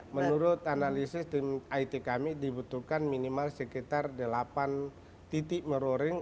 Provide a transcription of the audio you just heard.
menurut analisis tim it kami dibutuhkan minimal sekitar delapan titik merroring